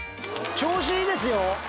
調子いいですよ！